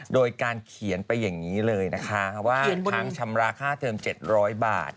โดยการเขียนไปอย่างนี้เลยนะคะว่าทางชำระค่าเทอม๗๐๐บาท